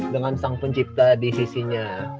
dengan sang pencipta di sisinya